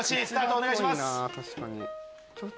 お願いします。